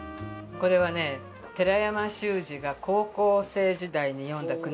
これはね寺山修司が高校生時代に詠んだ句なんです。